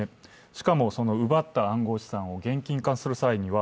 しかも、その奪った暗号資産を現金化する際には、